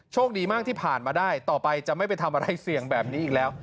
ดีมากที่ผ่านมาได้ต่อไปจะไม่ไปทำอะไรเสี่ยงแบบนี้อีกแล้ว